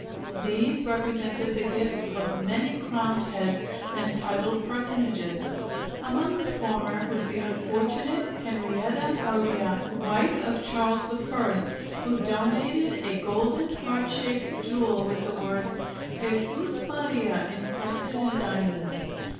These represented the gifts of many crowned heads and titled personages; among the former was the unfortunate Henrietta Maria, wife of Charles I, who donated a golden heart shaped jewel with the words "Jesus Maria" incrusted in diamonds.